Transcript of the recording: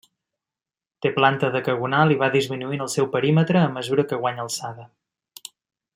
Té planta decagonal i va disminuint el seu perímetre a mesura que guanya alçada.